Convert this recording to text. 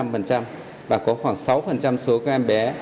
và có khoảng sáu số các em bé